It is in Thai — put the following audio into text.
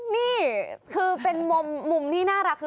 นี่คือเป็นมุมที่น่ารักคือ